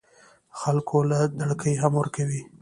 خلکو له دړکې هم ورکوي